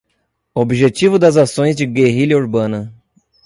Objetivos das Ações de Guerrilha Urbana